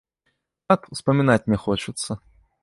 Ат, успамінаць не хочацца.